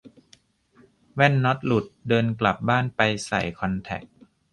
แว่นน็อตหลุด เดินกลับบ้านไปใส่คอนแทค